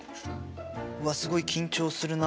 うわすごい緊張するな。